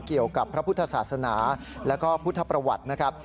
เกี่ยวกับพระพุทธศาสนาแล้วก็พุทธประวัตินะครับ